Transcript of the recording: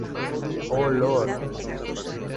Oh Lord!